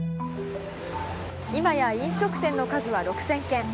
今や飲食店の数は６，０００軒。